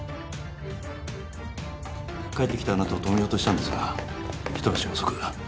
帰ってきたあなたを止めようとしたんですが一足遅く。